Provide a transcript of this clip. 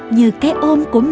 như cái ôm của mẹ